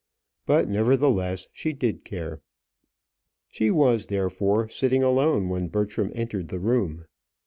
But, nevertheless, she did care. She was therefore sitting alone when Bertram entered the room.